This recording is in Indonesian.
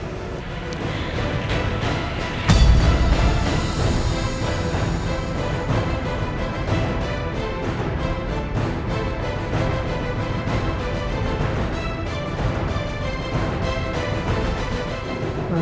tapi ibu gak mau